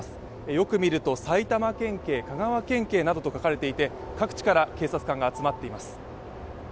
よく見ると、埼玉県警、香川県警と書かれていて、各地から警察官が集まっています。